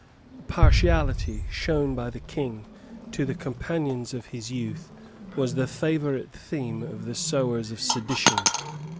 The partiality shown by the King to the companions of his youth was the favourite theme of the sewers of sedition.